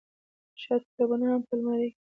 شايد کتابونه هم په المارۍ کې